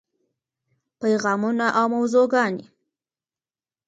پیغامونه او موضوعګانې: